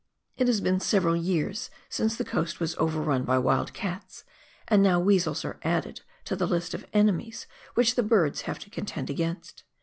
It has been several years since the coast was overrun by wild cats, and now weasels are added to the list of enemies which the birds have to contend against.